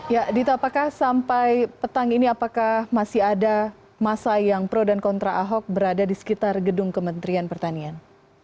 ya dita apakah sampai petang ini apakah masih ada masa yang pro dan kontra ahok berada di sekitar gedung kementerian pertanian